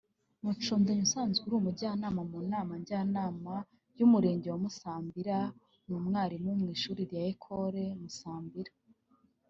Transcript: Mucundanyi usanzwe ari Umujyanama mu Nama Njyanama y’Umurenge wa Musambira n’Umwarimu mu Ishuri rya Ecose Musambira